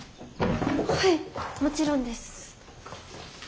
はいもちろんです。